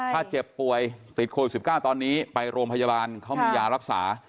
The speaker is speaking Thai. ถ้าเจ็บป่วยติดโควิด๑๙ตอนนี้ไปโรงพยาบาลเขามียารักษา